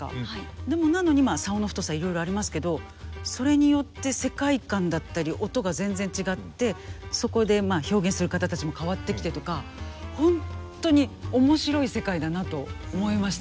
でもなのに棹の太さいろいろありますけどそれによって世界観だったり音が全然違ってそこで表現する方たちも変わってきてとかホントに面白い世界だなと思いました。